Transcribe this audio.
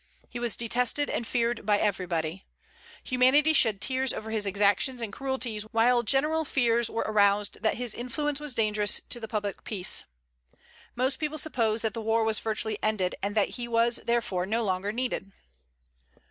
He was detested and feared by everybody. Humanity shed tears over his exactions and cruelties, while general fears were aroused that his influence was dangerous to the public peace. Most people supposed that the war was virtually ended, and that he was therefore no longer needed.